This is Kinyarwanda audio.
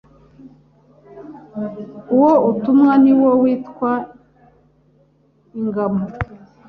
Uwo utumwa ni wo witwa ingamo